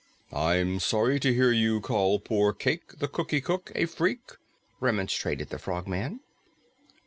"I am sorry to hear you call poor Cayke the Cookie Cook a Freak," remonstrated the Frogman.